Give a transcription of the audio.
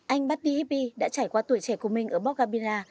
anh buddy hippie đã trải qua tuổi trẻ của mình ở boc gabila